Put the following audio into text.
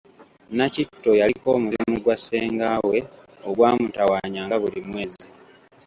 Nakitto yaliko omuzimu gwa senga we ogwa mutawaanyanga buli mwezi.